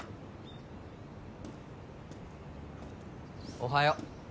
おはよう。